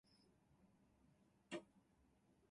あなたへ